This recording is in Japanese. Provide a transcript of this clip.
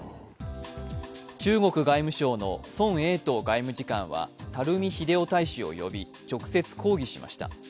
中国外務省の孫衛東外務次官は、垂秀夫大使を呼び、直接抗議しました。